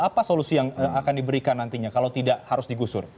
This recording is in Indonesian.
apa solusi yang akan diberikan nantinya kalau tidak harus digusur